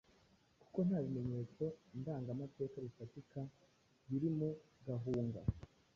kuko nta bimenyetso ndangamateka bifatika biri mu Gahunga.